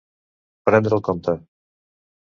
Prendre el compte.